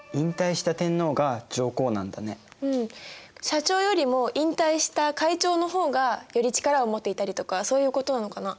社長よりも引退した会長の方がより力を持っていたりとかそういうことなのかな？